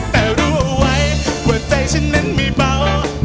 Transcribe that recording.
แต่รู้ไว้ว่าใจฉันนั้นไม่เบา